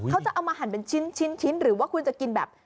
เขาจะเอามาหั่นเป็นชิ้นหรือว่าคุณจะกินแบบ